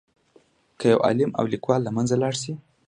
که یو عالم او لیکوال له منځه لاړ شي.